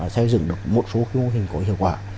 xây dựng được một số mô hình có hiệu quả